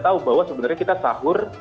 tahu bahwa sebenarnya kita sahur